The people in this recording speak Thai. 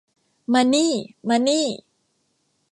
มานี่ มานี่